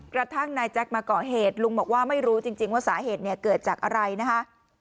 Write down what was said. กระทั่งนายแจ๊คมาก่อเหตุลุงบอกว่าไม่รู้จริงว่าสาเหตุเนี่ยเกิดจากอะไรนะคะ